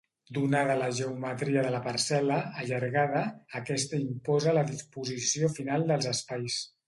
Donada la geometria de la parcel·la, allargada, aquesta imposa la disposició final dels espais.